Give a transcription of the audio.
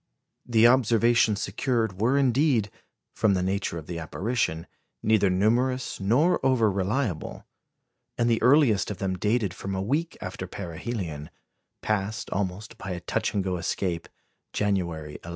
The observations secured were indeed, from the nature of the apparition, neither numerous nor over reliable; and the earliest of them dated from a week after perihelion, passed, almost by a touch and go escape, January 11.